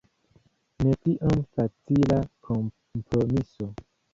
Ne tiom facila kompromiso.